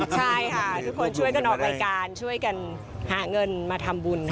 ใช่ค่ะทุกคนช่วยกันออกรายการช่วยกันหาเงินมาทำบุญ